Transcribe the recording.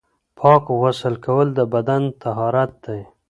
پاک غسل کول د بدن طهارت دی.